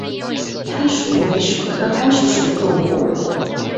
攀鼠为鼠科攀鼠属的动物。